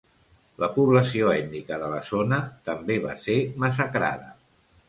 La població ètnica de la zona també va ser massacrada.